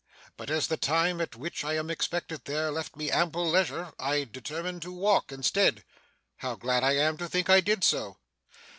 But as the time at which I am expected there, left me ample leisure, I determined to walk instead. How glad I am, to think I did so!